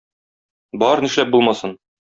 Бар, нишләп булмасын.